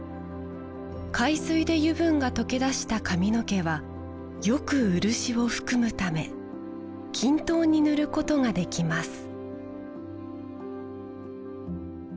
海水で油分が溶け出した髪の毛はよく漆を含むため均等に塗ることができます